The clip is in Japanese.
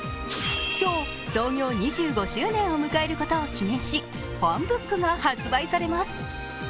今日、創業２５周年を迎えることを記念し「ＦＡＮＢＯＯＫ」が発売されます。